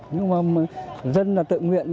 nhưng mà dân là tự nguyện